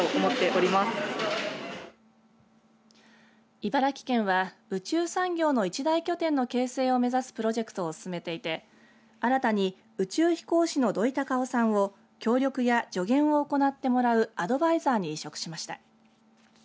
茨城県は宇宙産業の一大拠点の形成を目指すプロジェクトを進めていて新たに宇宙飛行士の土井隆雄さんを協力や条件を行ってもらうアドバイザーに委嘱しました。